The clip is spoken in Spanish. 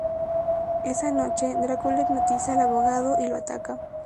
Esa noche, Drácula hipnotiza al abogado y lo ataca.